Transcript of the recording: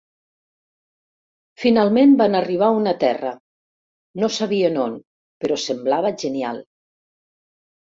Finalment van arribar a una terra; no sabien on, però semblava genial.